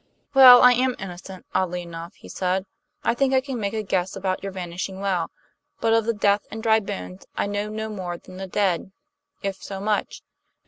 "Well, I am innocent, oddly enough," he said. "I think I can make a guess about your vanishing well, but of the death and dry bones I know no more than the dead; if so much.